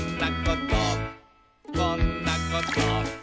「こんなこと」